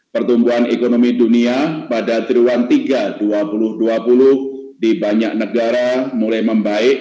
pertumbuhan ekonomi dunia pada triwulan tiga dua ribu dua puluh di banyak negara mulai membaik